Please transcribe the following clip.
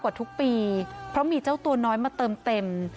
ทุกปีเพราะมีเจ้าตัวน้อยมาเติมเต็ม